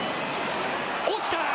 落ちた！